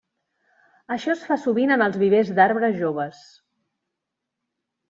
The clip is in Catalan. Això es fa sovint en els vivers d'arbres joves.